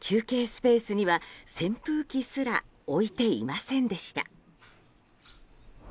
スペースには扇風機すら置いていませんでした。